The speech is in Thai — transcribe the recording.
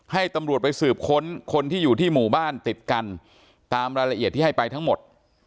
ให้ตำรวจไปสืบค้นคนที่อยู่ที่หมู่บ้านติดกันตามรายละเอียดที่ให้ไปทั้งหมด